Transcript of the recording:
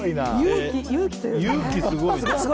勇気すごいな。